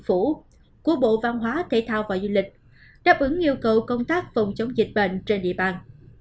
của bộ văn hóa thể thao và du lịch đáp ứng yêu cầu công tác phòng chống dịch bệnh trên địa bàn